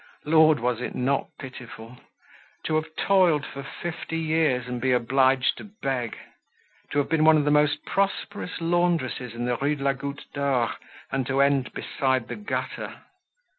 Lord, was it not pitiful! To have toiled for fifty years and be obliged to beg! To have been one of the most prosperous laundresses in the Rue de la Goutte d'Or and to end beside the gutter!